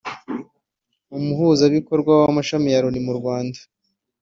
Umuhuzabikorwa w’amashami ya Loni mu Rwanda